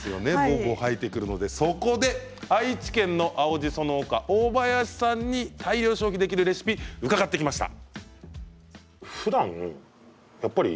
そこで愛知県の青じそ農家大林さんに大量消費できるレシピを伺ってきました。